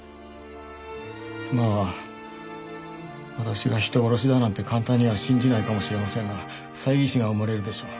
妻は私が人殺しだなんて簡単には信じないかもしれませんが猜疑心は生まれるでしょう。